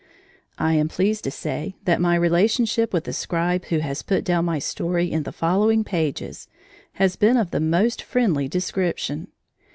I am pleased to say that my relationship with the scribe who has put down my story in the following pages has been of the most friendly description.